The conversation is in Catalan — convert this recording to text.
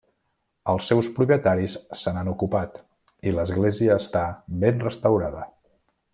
Els seus propietaris se n'han ocupat, i l'església està ben restaurada.